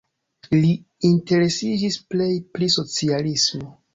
Li interesiĝis plej pri socialismo.